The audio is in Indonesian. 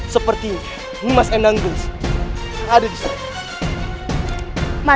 terima kasih kakak